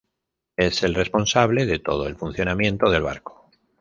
Es el responsable de todo el funcionamiento del barco.